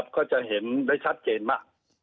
ก็จะเห็นได้ชัดเจนมาก